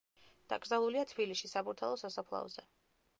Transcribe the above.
დაკრძალულია თბილისში საბურთალოს სასაფლაოზე.